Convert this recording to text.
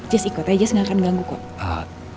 jess ikut ya jess gak akan ganggu kok